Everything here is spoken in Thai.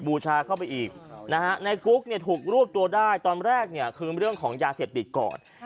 บูชาเข้าไปอีกในกุ๊กถูกรวบตัวได้ตอนแรกคือเรื่องของยาเสพติดก่อน